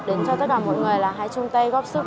đến cho tất cả mọi người là hãy chung tay góp sức